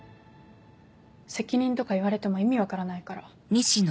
責任とか言われても意味分からないから。